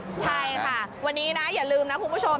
ใช่ค่ะวันนี้นะอย่าลืมนะคุณผู้ชม